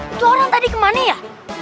itu orang tadi kemana ya